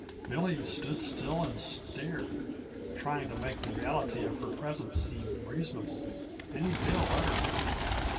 Billy stood still and stared, trying to make the reality of her presence seem reasonable; and he failed utterly.